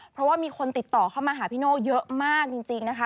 เพราะว่ามีคนติดต่อเข้ามาหาพี่โน่เยอะมากจริงนะคะ